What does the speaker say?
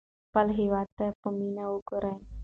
خپل هېواد ته په مینه وګورئ.